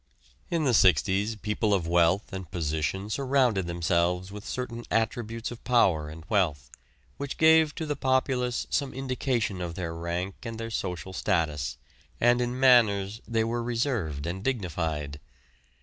In the 'sixties people of wealth and position surrounded themselves with certain attributes of power and wealth, which gave to the populace some indication of their rank and their social status, and in manners they were reserved and dignified.